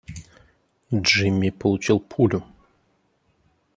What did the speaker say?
Джимми получил пулю.